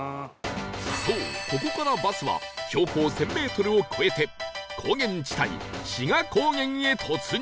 そうここからバスは標高１０００メートルを越えて高原地帯志賀高原へ突入